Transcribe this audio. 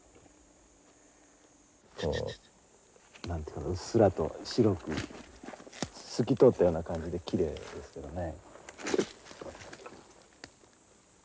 何て言うかなうっすらと白く透き通ったような感じできれいですよね。